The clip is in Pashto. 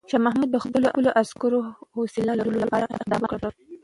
شاه محمود د خپلو عسکرو حوصله لوړولو لپاره اقدامات وکړل.